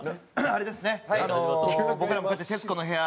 あの僕らこうやって『徹子の部屋』。